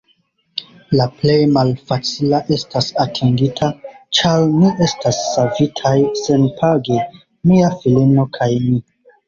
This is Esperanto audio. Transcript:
La plej malfacila estas atingita, ĉar ni estas savitaj senpage, mia filino kaj mi.